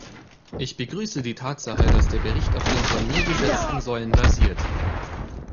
Ich begrüße die Tatsache, dass der Bericht auf den von mir geschätzten Säulen basiert.